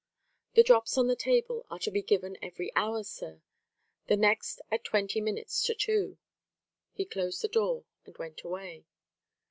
"The drops on the table are to be given every hour, sir; the next at twenty minutes to two." He closed the door and went away.